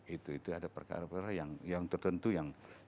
itu itu ada perkara perkara yang tertentu yang